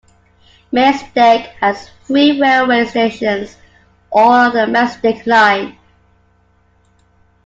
Maesteg has three railway stations, all on the Maesteg Line.